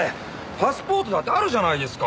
パスポートだってあるじゃないですか。